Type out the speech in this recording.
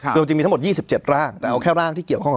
คือมันจะมีทั้งหมด๒๗ร่างแต่เอาแค่ร่างที่เกี่ยวข้องกับ